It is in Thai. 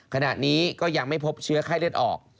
ขณะนี้ก็ยังไม่พบเชื้อไข้เลือดออก